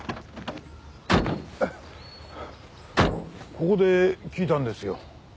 ここで聞いたんですよ。